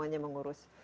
yang semuanya mengurus